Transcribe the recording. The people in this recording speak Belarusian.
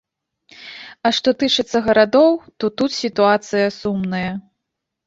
А што тычыцца гарадоў, то тут сітуацыя сумная.